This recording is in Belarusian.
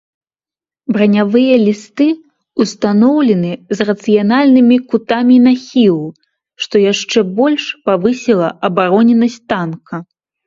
Бранявыя лісты ўстаноўлены з рацыянальнымі кутамі нахілу, што яшчэ больш павысіла абароненасць танка.